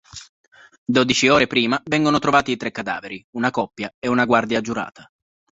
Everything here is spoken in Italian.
Dodici ore prima vengono trovati tre cadaveri, una coppia e una guardia giurata.